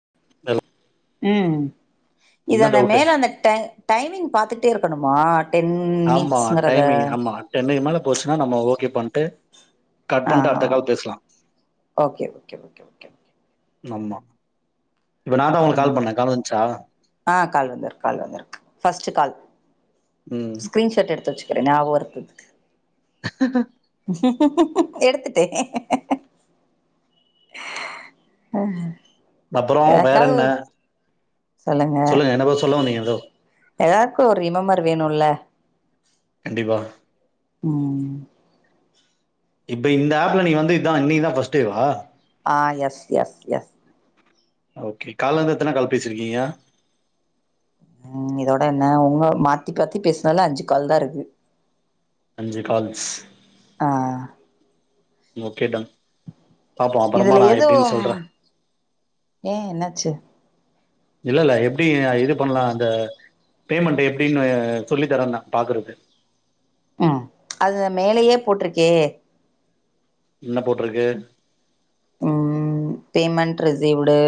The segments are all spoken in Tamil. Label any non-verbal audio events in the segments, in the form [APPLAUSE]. [UNINTELLIGIBLE] ம் இது என்ன அந்த டவுட்டு மேல அந்த டை டைமிங் பாத்துகிட்டே இருக்கணுமா டென் மினிட்ஸ்ங்கறத போச்சுனா நம்ம ஓகே பண்ட்டு கட் ஆ பண்ட்டு அடுத்த கால் பேசலா okay okay okay okay okay நம்மா ஆ கால் வந்துர் கால் வந்துர்க்கு ஃபஸ்ட்டு கால் ம் ஸ்கிரீன்ஷாட் எடுத்து வெச்சுக்றே ஞாப வறத்துதுக்கு [UNINTELLIGIBLE] எடுத்துட்டே அப்புறோ வேற எதாக்காவது என்ன ஒரு சொல்லுங்க என்னதோ சொல்ல வந்திங்க ஏதோ எல்லாருக்கு ஒரு ரிமெம்பர் வேணும்ல கண்டிப்பா ம் இப்ப இந்த ஆப்ல நீங்க வந்து இத்தா இன்னைக்கிதா ஃபர்ஸ்ட்டேவா ஆ எஸ் எஸ் எஸ் ஓகே கால்ல இருந்து எத்தன கால் பேச்சிருக்கீங்க ம் இதோட என்ன உங்க மாத்தி மாத்தி பேசினால அஞ்சு கால் தா இருக்கு அஞ்சு கால்ஸ் ஆ ஓகே டன் பாப்போ அப்பறமா இதுல நா எப்டின்னு எதுவும் சொல்றே ஏ என்னாச்சு இல்ல இல்ல எப்டி இது பண்ணலா அந்த பேமெண்ட் எப்டின்னு அ சொல்லி தரேன்ன பாக்குறது அ அதுதா மேலேயே போட்டிருக்கே என்ன போட்டிருக்கு ம் பேமெண்ட் ரிஸீவ்டு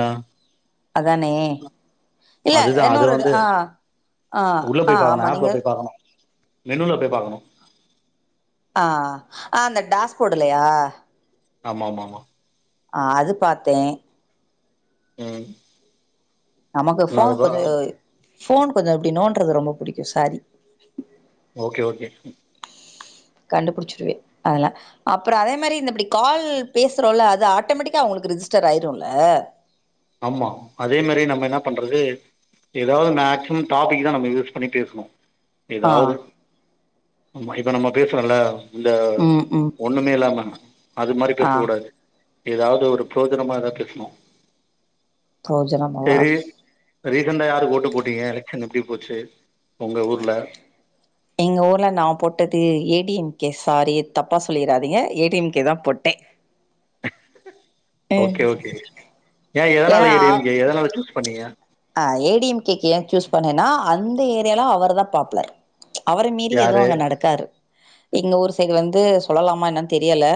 அ அதானே இல்ல அதுதா அது என்னொருட வந்து ஆ ஆ உள்ள ஆ போய் பாக்கணு ஆமா ஆப்ல நீங்க போய் பாக்கணு மெனுல போய் பாக்கணு அ அ அந்த டேஷ்போர்ட்லையா ஆமா ஆமா ஆமா அ அது பாத்தே ம் நமக்கு நா ஃபோன் அதுதா கொஞ்சோ ஃபோன் கொஞ்சோ அப்டி நோன்றது ரொம்ப புடிக்கு சாரி ஓகே ஓகே கண்டுபுடிச்சிருவே அதெல்ல அப்புறோ அதே மாரி இந்த இப்டி கால் பேசுறோல அது ஆட்டோமேட்டிக்கா அவுங்களுக் ரிஜிஸ்டர் ஆயிரும்ல ஆமா அதே மாரி நம்ம என்ன பண்றது ஏதாவது மேக்சிமம் டாபிக் தா நம்ம யூஸ் பண்ணி பேசுணு ஆ எதாது ஆமா இப்ப நம்ம பேசுறோம்ல இந்த ம் ம் ஒன்னுமே இல்லாம அது மாரி ஆ பேசக்க கூடாது ஏதாது ஒரு பிரயோஜனமா பேசனு பிரயோஜனமாவா இப்ப ரீசெண்டா யாருக்கு ஓட்டு போட்டீங்க எலக்ஷன் எப்டி போச்சி உங்க ஊர்ல எங்க ஊர்ல நா போட்டது A D M K sorry தப்பா சொல்லிராதிங்க ஏ டி எம் கே தா போட்டே போ [UNINTELLIGIBLE] ஓகே ஓகே ஏ எதனால ஏன்னா ஏ டி எம் கே எதனால சூஸ் பண்ணீங்க அ ஏ டி எம் கே க்கு ஏ சூஸ் பண்ணேனா அந்த ஏரியாலா அவர் தா பாப்புலர் அவர மீறி எதுவு யாரு அங்க நடக்காது எங்க ஊர் சைடு வந்து சொல்லலாமா என்னான்னு தெரியல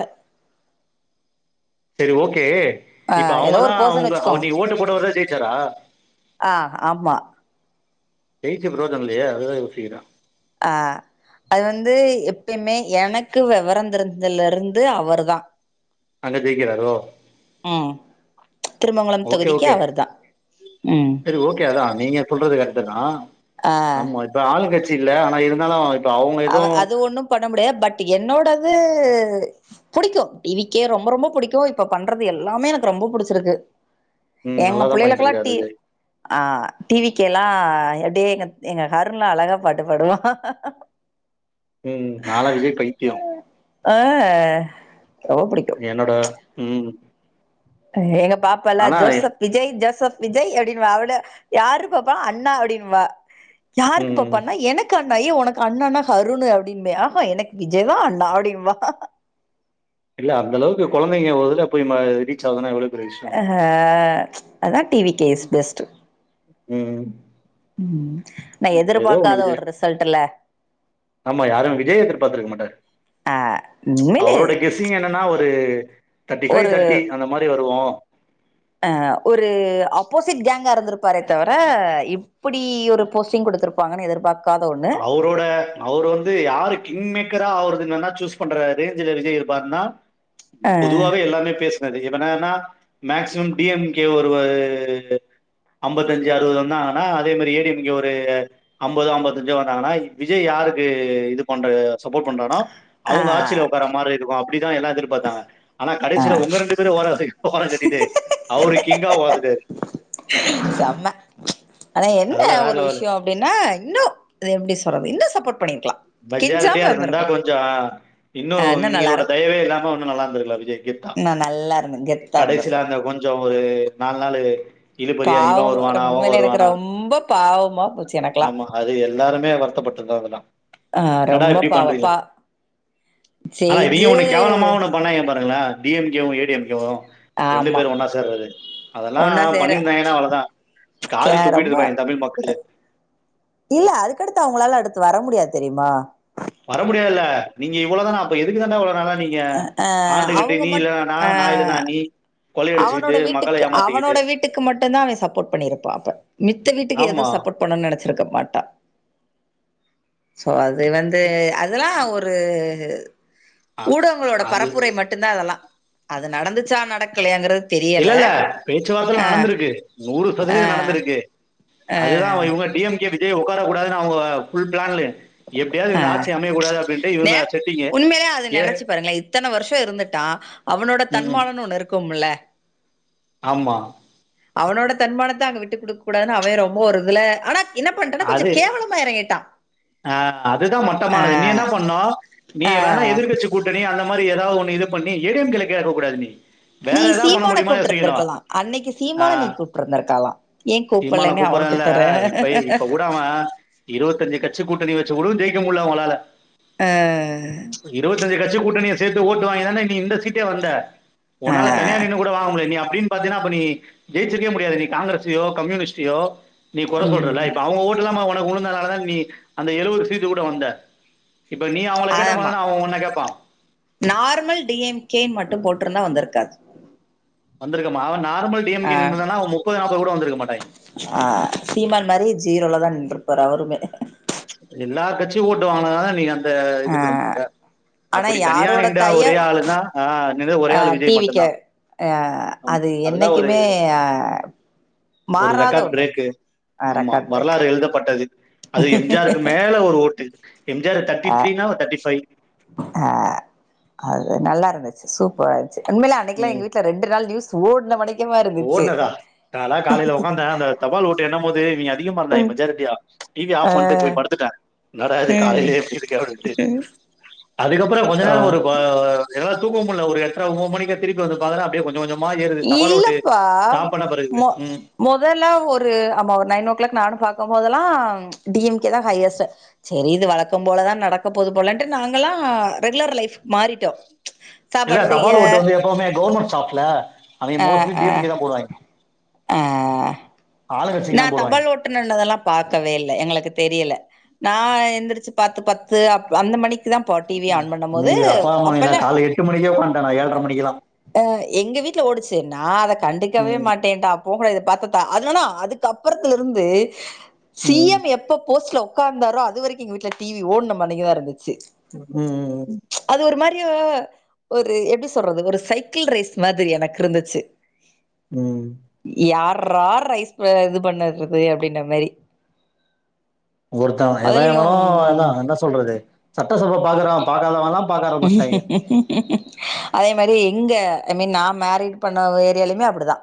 சேரி ஓகே ஆ இப்ப ஏதோ அவுங்கதா ஒரு பர்சன் அவுங்க அவர் வச்சுக்கோங்க நீங் ஓட்டு போட்டவர்தா ஜெயிச்சாரா ஆ ஆமா ஜெயிச்சி புரியோஜனம் இல்லையே அதுதா யோசிக்கிறே அ அது வந்து எப்பயுமே எனக்கு வெவரம் தெரிஞ்சதுல இருந்து அவர்தா அங்க ஜெயிக்கிறாரோ ம் திருமங்கலம் தொகுதிக்கு அவர்தா சேரி ஓகே அதா நீங்க சொல்றது கரட்டுதா ஆ ஆமா இப்ப ஆளுங்கட்சி இல்ல ஆன இருந்தாளும் அவ அது ஒண்ணு பண்ண முடியாது பட் என்னோட இது புடிக்கும் டி வி கே ரொம்ப ரொம்ப புடிக்கும் இப்ப பண்றது எல்லாமே எனக்கு ரொம்ப புடிச்சிருக்கு ம் எங்க நல்லாதா பண்ணிட்டு பிள்ளைகளுக்கெல்லா இருக்காரு டி விஜய் ஆ டி வி கே ல்லா அப்டியே எங்க அருண் லா அழகா பாட்டு பாடுவா உம் நாலா விஜய் பைத்திய ஆ ரொம்ப என்னோட ம் எ பாப்பால்ல ஆனா ஜோசப் விஜய் ஜோசப் விஜய் அப்டின்னு வா அவளு யாரு பாப்பா அண்ணா அப்படின்னுபா யாருக்கு ம் பாப்பான்னா எனக்கு நை ஒனக்கு அண்ணான்னா ஹருணு அப்படின்பே ஆஹா எனக்கு விஜய்தா அண்ணா அப்டிம்பா இல்ல அந்தளவுக்கு கொழந்தைங்க ஒரு இதுல போய் ரீச் ஆகுதுன்னா எவ்ளோ பெரிய விஷயோ ஹ அதா டி வி கே ஸ் பெஸ்ட் ம் ம் நா ஏதோ ஒண்ணு எதிர்பாக்காத ஒரு விஜய் ரிசல்ட்ல்ல ஆமா யாரு விஜய எதிர்பார்த்திருக்க மாட்டாங்க உண்மையிலே அவரோட கெஸ்ஸிங் என்னன்னா ஒரு தெர்டி ஃபை தெட்டி அந்த மாரி வருவோ அ ஒரு அப்போசிட் கேங்கா இருந்திருப்பாரே தவிர இப்புடி ஒரு போஸ்டிங் குடுத்துருப்பாங்கனு எதிர்பாக் அவரோட அவர் வந்து யாரு கிங்மேட் சின்சியரா ஆவருது என்னன்னா சூஸ் பண்ற ரேஞ்சில விஜய் இருப்பாருன்னா அ பொதுவாவே எல்லாமே பேச இப்ப என்னனா மேக்சிமம் டி எம் கே வருவாரு ஐம்பத்தஞ்சு அறுவது வந்தாங்கனா அதே மாரி ஏ டி எம் கே ஒரு ஐம்பது ஐம்பது விஜய் வந்தாங்கன்னா விஜய் யாருக்கு இது பண் சப்போர்ட் பண்றான ஆ அவுங்க ஆட்சியில உக்கார மாரி இரு அப்டித்தா எல்லா எதிர்பார்த்தாங்க ஆனா ஆ கடைசியில உங்க ரெண்டு பேரையும் ஓர ஓரங்கட்டிட்டு அவரு கிங்கா வொந்துட்டாரு செம்ம ஆனா என்ன அதெல்லாம் வேற ஒரு லெவல் விஷ்ய அப்டின்னா இன்னு அது எப்டி சொல்றது இன்னும் சப்போட் மெஜாரிட்டியா இருக்குந்தா கொஞ்சோ இன்னு இவிங்களோட தயவே இல்லாம இன்னும் நல்லா இருந்திர்கலா விஜய்க்கு ந நல் கடைசியில அந்த கொஞ்ச ஒரு நால்லு நாளு இழுப்பரியா இவ பாவமா வருவானா அவ உண்மையில எனக்கு வருவானா ரொம்ப பாவமா போச்சு எனக்கெல்லா ஆமா அது எல்லாருமே வருத்தப்பட் பட்டவங்கதா ஆ என்னடா ரொம்ப இப்டி பாவ பண்றீங்க பா ஆனா இவிங்க ஜெயிச்சு ஒண்ணு கேவலமா ஒன்னு பண்ணாங்க பாருங்களே டி எம் கே உம் ஏ டி எம் கே வும் ரெண்டு ஆமா பேரு ஒன்னா சேர்றரு அதெல்லா ஒன்னா சேர பண்ணியிருந்தாங்கனா அவ்வளோதா கே காரி ரொம்ப துப்பிட்டுருந்திர்பாய்ங்க தமிழ் மக்களு இல்ல அதுக்கடுத்து அவங்களால அடுத்து வர முடியாது தெரியுமா வர முடியாதுல்ல நீங்க இவ்ளோதானா அப்ப எதுக்கு தான்டா இவ்ளோ நாளா நீங்க அ ஆண்டுகிட்டு அவங்க நீ மட் இல்லண்ணா நா அ நா இல்லனா நீ அவனோட கொள்ளையடிச்சுக்கிட்டு மக்கள வீட்டுக்கு ஏமாத்திக்கிட்டு அவனோட வீட்டுக்கு மட்டுதா அவன் சப்போர்ட் பண்ணிருப்பா அப்ப மித்த வீட்டுக்கு எதோ ஆமா சப் போர்ட் பண்ணனு நினச்சிருக்க மாட்டா சோ அது வந்து அதெல்லா ஒரு அ ஊடகங்களோட அது பரப்புரை மட்டுதா அதெல்லா அது நடந்துச்சா நடக்கலையாங்கிற இல்ல இல்ல பேச்சுவார்த்தைல நடந்திருக்கு நூறு அ சதவீதம் நடந்திருக்கு அதுதா அவ இவுங்க டி எம் கே விஜய் உக்காரக் கூடாதுன்னு அவங்க ஃபுல் பிளான் எப்டியாவது அ இந்த ஆட்சி அமையகூடாது அப்டின்ட்டு நே இவுங்க செட்டிங் உண்மையிலே அது நெனைச்சு பாருங்களே இத்தன வருஷ இருந்துட்டா அவனோட ம் தன்மானனு ஒண்ணு இருக்கும் முல ஆமா அவனோட தன்மானத்த அங்க விட்டு குடுக் கூடாதுனு அவ ரொம்ப ஒரு இதுல ஆனாக் என்னப் பண்றனா கொஞ்ச அது கேவளமா எறங்கிட்டா ஆ அதுதா மட்டமானது நீ என்னாப் பண்ணு நீ ஆ, வேணா எதிர்கட்சி கூட்டணி அந்த மாரி ஏதா ஒன்னு இது பண்ணி ஏ டி எம் கே ல கேக்ககூடாது நீ வேற நீ ஏதாவது பண்ண சீமான முடியுமா யோசிக்கணு கூப்டிருந்திருக்கலா அன்னைக்கு ஆ சீமான நீ கூப்டிருந்திருக்கலா ஏ கூப்பில்லன்னு பொறல்ல இப்பயே இப்ப கூட அவ இருவத்தஞ்சு கட் ச்சி கூட்டணி வச்சு கூடு ஜெயிக்க முல்ல ஒங்களால இருவத்திஞ்சி கட்சி கூட்டணிய சேத்து ஓட்டு வாங்கிதான நீ இந்த சீட்டே வந்த ஒன்னால தனியா நின்னு கூட வாங்க முல்ல நீ அப் அப்டின் பாத்தீனா அப்ப நீ ஜெயச்சிருக்வே முடியாது நீ காங்கிரசயோ கம்யூனிஸ்ட்டியோ நீ கொற சொல்றல இப்ப அவுங்க ஓட்லாமா ஒனக்கு உழுந்ததனாலதா நீ அந்த எழுவது சீட்டு கூட வந்த இப்ப நீ அவுங்கள கேட்ட ஆமா மாரிதான அவ ஒன்ன கேப்பா நார்மல் டி எம் கே மட்டு போட்ருந்தா வந்திருக்காது வந்த்ருக்க மா நார்மல் டி எம் ஆ, கே நின்னுந்தானா அவ முப்பது நாப்பது கூட வந்திருக்க மாட்டாய்ங்க ஜீரோலதா நின்ருப்பாரு அவருமே எல்லா கட்சியு ஓட்டு வாங்காதா நீங்க அந்த ஆ, இதுக்கு வந்திருக்க ஆனா அப்டி தனியா யாரோட நிண்ட தய ஒரே ஆளுதா ஆ என்னது ஒரே ஆளு விஜய் மட்டுந்தா அ அது என்னைக்குமே அ ஒரு ரெக்காட் பிரேக்கு ஆமா ரெக்கார்ட் பிரேக் வரலாறு எழுதப்பட்டது அது எம்ஜார் யட்ரு மேல ஒரு ஓட்டு எம் ஜி ஆர் தெர்ட்டி தீரினா அவர் தெர்ட்டி ஃபை அது நல்லாருந்துச்சு சூப்பராந்ச்சு உண்மைலே அன்னைக்குலா எங்க வீட்ல ரெண்டு நாள் நியூஸ் ஓட்ன மணிக் ஓட்னதா நாலா காலைல ஒக்காந்த அந்த தபால் ஓட்டு எண்ணம்போது அதிகமா இருந்தாய்ங்க மெஜாரெட்டியா ஆ டிவிய ஆஃப் பன்ட்டு போய் படுத்துட்ட இன்னாடா இது காலைலியே இப்டி இருக்கே அப்டின்ட்டு அதுக்கப்புற கொஞ்ச ஓ நேர ஒரு ப அ எதலால் தூக்க முல்ல ஒரு எட்ற ஒம்போ மணிக்கு திரிப்பி வந்து பாக்கற அப்டியே கொஞ்ச கொஞ்சமா ஏருது தபால் ஓட்டு பா ஸ்டாப் பண்ண பிறகு மொ ம். மொதல்ல ஒரு ஆமா ஒரு நைன் ஓ கிளாக் நானும் பாக் போம்போதலா டி எம் கே தா ஹையஸ்ட்டு செரி இது வழக்கம் போலதான் நடக்க போது போலன்ட்டு நாங்கலா ஆ ரெகுலர் லைஃப் மாறிட்டோ இல்ல தபால் ஓட்டு வந்து எப்பவுமே கவர்மெண்ட் ஷடாப்ல அவிங்க மோஸ்ட்லி டி எம் கே தா போடுவாய்ங்க அ ஆளுங்கட்சிக்கு நா தான் போடுவாங்க தபால் ஓட்டு நென்னதெல்லா பாக்கவேல்ல எங்களுக்கு தெரிய இல்ல நா எந்திரிச்சு பாத்து பத்து அப் அந்த மணிக்கு தான்ப்பா டிவி ஆன் பண்ணும் நீ போது அப்பா அம்மாவ நா அப்பெல்லா கால்ல எட்டு மணிக்கே ஒக்கான்ட்ட நா ஏழ்ர மணிக்குலா அ எங்க வீட்ல ஓடுச்சு நா அத கண்டுக்கவே ம், மாட்டேன்டாப் போக் கூடாது இத பாத்துட்டா அதனனா அதுக்கு அப்புறத்திலருந்து சி ம், எம் எப்ப போஸ்ட்ல ஒக் உக்காந்தாரோ அது வரைக்கு எங்க வீட்ல டிவி ஓன்னம் மனைக்குதா இருந்து உம் உம் உம் ட்ரி அவ ஒரு எப்டி சொல்றது ஒரு சைக்கிள் ரேஸ் மாதிரி எனக்கிருந்துச்சு உம் ரா ரைஸ் ப இது பண்ணறது அப்டின்ற மேரி ஒருத்த எவ எவனோ எல்லா என்ன சொல்றது சட்டசப பாக்கறவ பாக்காதவலா அதே மாரி இங்க ஐ மீன் நா மேரேஜ் பண்ண ஏரியாலியுமே அப்டிதா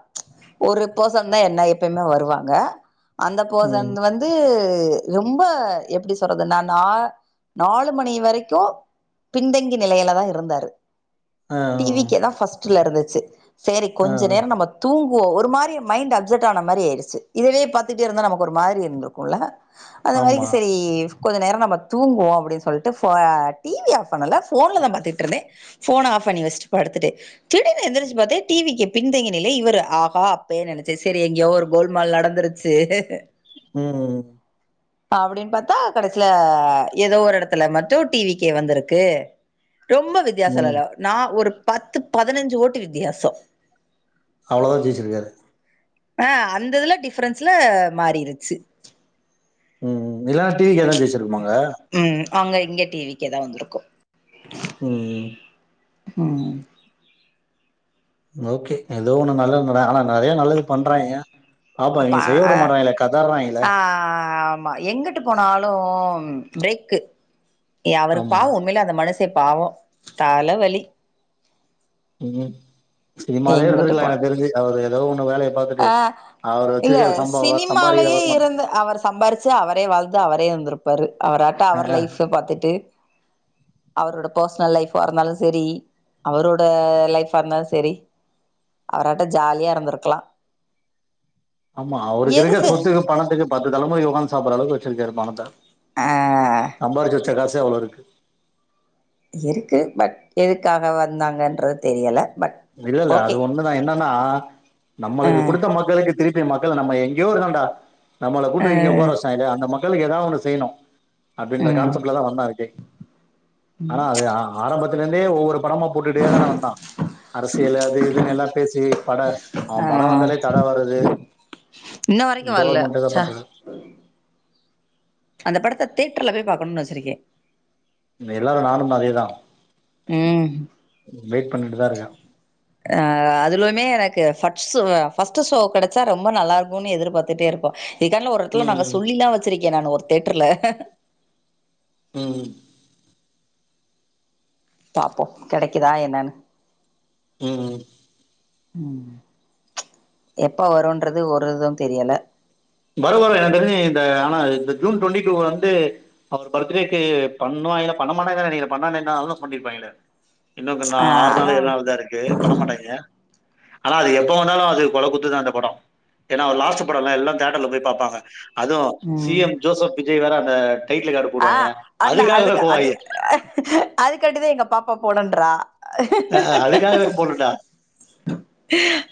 ஒருப் பஃர்சன்தா என்ன எப்பயுமே வருவாங்க அந்த போஃசன் ம் வந்து து ரொம்ப எப்டி சொல்றது நான் நா நாலு மணி வரைக்கு பின்தங்கி நெலையிலதா இருந்தாரு ஆ டி வி க்கேதா ஃபர்ஸ்ட்டுலருந்துச்சு சேரி ஆ கொஞ்ச நேர நம்ம தூங் ஓ ஒரு மாரி மைண்ட்டு அஃப்செட் ஆன மாரி ஏருச்சு இதுவே பாத்துட்டே இருந்தா நமக்கு ஒரு மாரி இந்துருக்குல்ல அந்த ஆமா மாரிக்கு செரி கொஞ்ச நேர நம்ம தூங்குவோ அப்டின் சொல்ட்டு ஃபோ அ டிவிய ஆஃப் பண்ணல ஃபோன்லதா பாத்ட்ருந்தே ஃபோன ஆஃப் பண்ணி வஸ்டு படுத்துட்டு திடீர்னு எந்திரிச்சு பாத்தே டி வி கே பின் தங்கிய நிலை இவரு ஆஹா அப்பியே நெனச்ச செரி எங்கியோ ஒரு கோல்மால் நடந்துருச்சு ம் அப்டின்னு பாத்தா கடைசில எதோ ஒரு எடத்துல மட்டு டி வி கே வந்திருக்கு க்கு ரொம்ப வித்தியாசோல்லா ம் இல்ல நா ஒரு பத்து பதினஞ்சு ஓட்டு வித்தியாசோ அவ்ளதா ஜெயச்சிருக்காரு ஆ அந்த இதுல டிஃப்ரென்ஸ்ல மாறிருச்சு ம் இல்லாட்டி [UNINTELLIGIBLE] ஜெய்ச்சிருப்பாங்க ம் அங்க இங்க டி வி கேதா வந்திருக்கு ம் ம் ஓகே எதோ ஒண்ணு நல்ல நட ஆனா நெறயா நல்லது பண்றாங்க பாப்போ அப்ப நீங்க செய்ய அ விட மாடறாங்கலே கதறாங்ல்ல மா எங்கிட்டு போனாலு பிரேக்கு எ அவருக்கு ஆமா பாவோ உண்மைலயே அந்த மனசு த்தே பாவோ தல வலி ம் சினிமாலயே இருந்திருக்கலா எனக்கு தெரிஞ்சு அவர் எதோ ஒன்னு அ இல்ல சம்பவ சம்பாரிக்கிற சினிமாலயே வருமானத் இருந்து அவர் சம்பாரிச்சு அவரே வாழ் அவரே இருந்திருப்பாரு அவராட்ட அவர் ஆ லைஃப பாத்துட்டு [INAUDIBLE] அவரோட பர்ஸ்னல் லைஃபா இருந்தாலு சரி அவரோட லைஃபா இருந்தாலு சரி அவராட்டா ஜாலியா இருந்திருக்கலா ஆமா அவருக்கு எது இருக்க செ சொத்துக்கு பணத்துக்கு பத்து தலைமுறைக்கு உக்காந்து சாப்டுற அளவுக்கு வெச்சிருக்காரு பணத்த ஆ சம்பாரிச்சு வெச்ச காசே அவ்ளோ இருக்கு இருக்கு பட் எதுக்காக வந்தாங்கன்றது தெரியல பட் இல்ல இல்ல ஓகே அது ஒண்ணுதா என்னனா ஆ நம்மளுக்கு குடுத்த மக்களுக்கு திரு ப்பி மக்கள் நம்ம எங்கேயோ இருக்கண்டா நம்மள ஆ கூட்டு இங்க உக்கார வெச்சிட்டாங்ளே அந்த மக்களுக்கு எதாவது ஒண்ணு செய்யணு அப்டின்ற ம் கான்செப்ட்லதா வந்தா இருக்கு ஆனா அது ஆரம்பத்தில இருந்தே ஒவ்வொரு படமா போட்டுட்டேதானே வந்தான் அரசியல் அது இதுன்னு எல்லா பேசி பட ஆ அவன் படோ வந்தாலே தட வருது இன்ன வரைக்கு வர்ல கவர்மெண்ட்டா எதோ ச்ச பண்ற அந்த படத்த தியேட்டர்ல போய் பாக்கணுனு வெச்சிருக்கே இங்க எல்லாரு நானும் அதேதா ம் வெயிட் பண்ணின்டுதா இருக்கேன் ஆ அதுலமே எனக்கு ஃபட்ஸ் ஷோ ஃபர்ஸ்ட் ஷோ கெடைச்சா ரொம்ப நல்லா இருக்குன்னு எதிர்பார்த்துட்டே இருப்போ இதுக்கான்ட்ல ஒரு எடத்துல நாங்க ம் சொல்லி எல்லா வெச்சிருக்கேன் நானு ஒரு தியேட்டர்ல ம் பாப்போ கெடைக்குதா என்னன்னு ம் ம் ம் எப்ப வருன்றது ஒரு இது தெரியல வரு வரு எனக்கு தெரிஞ்சு இந்த ஆனா இந்த ஜூன் டுவெண்டி டு வந்து அவர் பர்த்டேக்கு பண் ணுவாங்கலா பண்ண மாட்டங்கனுதா நெனக்கிறேன் பண்ணாமருந்தா அனௌன்ஸ் பண்ணிருப்பாங்ளே இன்னொக்குனா ஆ ஆறு நாள் அதா ஏழு நாள்தா இருக்கு பண்ண மாட்டாஙிக ஆனா அது எப்ப வந்தாலு அது கொலை குத்துதா அந்த படோ ஏனா அவரு லாஸ்ட் படோ இல்ல எல்லா தேட்டர்ல போய் பாப்பாங்க அதுவு சி ம் எம் ஜோசப் விஜய் வேற அந்த டைட்டில் கார்டு ஆ போடுவாங்க அந்த அதுக்காகவே அதுக்கு அது போவாங்க அதுக்கான்டடிதா எங்க பாப்பா போனுன்றா அ அதுக்காக போட்டுடா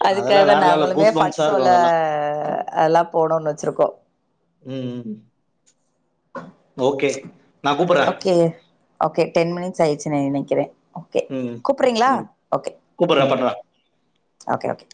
அதுக்காகதா நாங்களுமே ஃபட்ஸ் ஸோல இருக்கும் அதெல்லாம் அதெல்லா போடோனுனு வெச்சிருக்கோ ம் ம் கூப்பிட்றேன் ஓகே ஓகே டென் மினிட்ஸ் ஆயிருச்சுனு நெனக்கிறே ஓகே ம் கூப்றீங்ளா ம் ஓகே கூப்பிட்றேன் பண்ணுறேன் ஓகே ஓகே